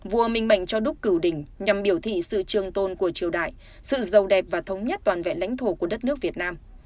vua minh mệnh cho đúc cử đỉnh nhằm biểu thị sự trường tôn của triều đại sự giàu đẹp và thống nhất toàn vẹn lãnh thổ của đất nước việt nam